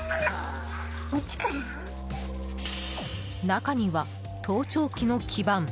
中には盗聴器の基板。